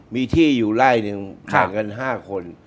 มีที่อยู่ไล่หนึ่งห่างกัน๕คน